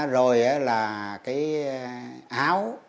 rồi là cái áo